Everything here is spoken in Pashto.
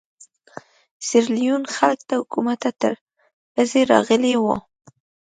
سیریلیون خلک له حکومته تر پزې راغلي وو.